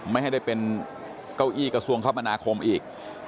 ไม่ให้ได้เป็นเก้าอี้กระทรวงคมนาคมอีก